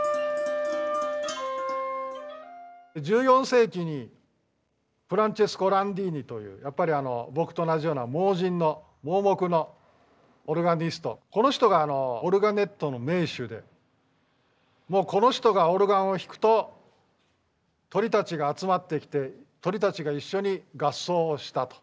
１４世紀にフランチェスコ・ランディーニというやっぱり僕と同じような盲人の盲目のオルガニストこの人がオルガネットの名手でこの人がオルガンを弾くと鳥たちが集まってきて鳥たちが一緒に合奏をしたと。